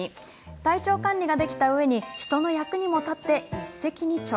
体調管理ができたうえに人の役にも立って、一石二鳥。